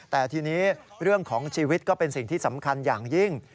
แต่ทีนี้เรื่องของชีวิตก็เป็นสิ่งที่สำคัญอย่างยิ่ง